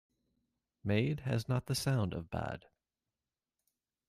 Made has not the sound of bade